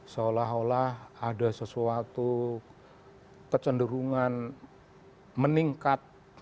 seolah olah ada sesuatu kecenderungan meningkat